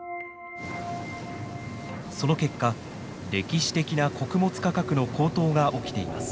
その結果歴史的な穀物価格の高騰が起きています。